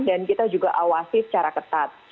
dan kita juga awasi secara ketat